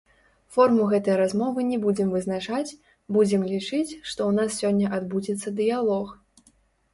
Форму гэтай размовы не будзем вызначаць, будзем лічыць, што ў нас сёння адбудзецца дыялог.